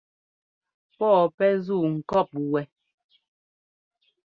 Pɔɔ pɛ́ ńzuu ŋkɔɔp wɛ.